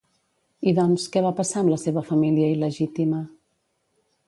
I doncs, què va passar amb la seva família il·legítima?